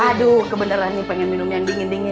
aduh kebenaran nih pengen minum yang dingin dingin